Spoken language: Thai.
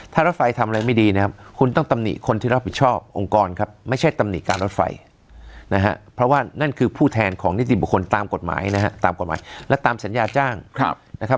ถ้ารถไฟทำอะไรไม่ดีนะครับคุณต้องตำหนิคนที่รับผิดชอบองค์กรครับไม่ใช่ตำหนิการรถไฟนะฮะเพราะว่านั่นคือผู้แทนของนิติบุคคลตามกฎหมายนะฮะตามกฎหมายและตามสัญญาจ้างนะครับ